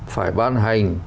phải ban hành